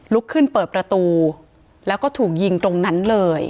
ลุกขึ้นเปิดประตูแล้วก็ถูกยิงตรงนั้นเลย